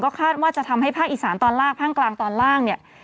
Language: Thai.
คาดว่าจะทำให้ภาคอีสานตอนล่างภาคกลางตอนล่างเนี่ย